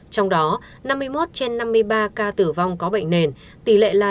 trong đó năm mươi một trên năm mươi ba ca tử vong có bệnh nền tỷ lệ là chín mươi sáu